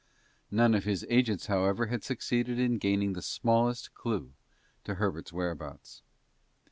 None of his agents, however, had succeeded in gaining the smallest clew to Herbert's whereabouts.